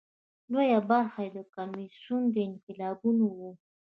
لویه برخه یې کمونېستي انقلابیون وو.